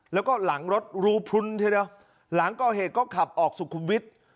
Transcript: แล้วก็หลังรถรูพลุนทีเดียวหลังก่อเหตุก็ขับออกสุขุมวิทย์